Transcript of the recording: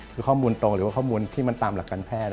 คือข้อมูลตรงหรือว่าข้อมูลที่มันตามหลักการแพทย์